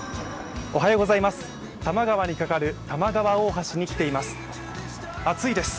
多摩川にかかる多摩川大橋に来ています。